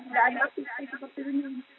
tidak ada seperti ini